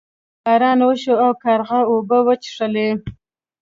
باران وشو او کارغه اوبه وڅښلې.